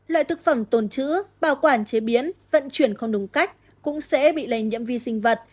loại thực phẩm tồn chữ bảo quản chế biến vận chuyển không đúng cách cũng sẽ bị lây nhiễm vi sinh vật